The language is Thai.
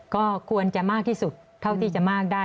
ก็ควรจะมากที่สุดเท่าที่จะมากได้